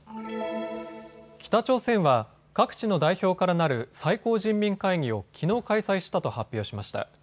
北朝鮮は各地の代表からなる最高人民会議をきのう開催したと発表しました。